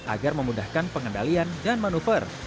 agar memudahkan pengendalian dan manuver